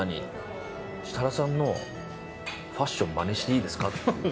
設楽さんのファッションをまねしていいですかって。